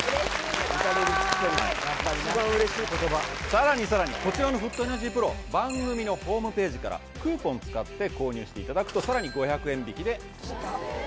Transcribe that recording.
さらにさらにこちらのフットエナジープロ番組のホームページからクーポン使って購入していただくとさらに５００円引きでお求めいただけます。